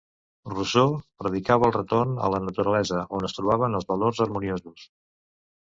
Rousseau predicava el retorn a la naturalesa, on es trobaven els valors harmoniosos.